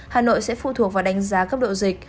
hà nội sẽ phụ thuộc vào đánh giá cấp độ dịch